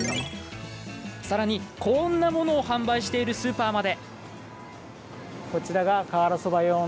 さらに、こんなものを販売しているスーパーまで。